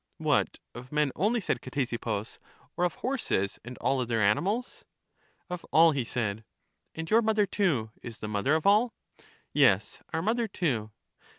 What, of men only, said Ctesippus, or of horses and all other animals? Of all, he said. And your mother, too, is the mother of all? Yes, our mother too.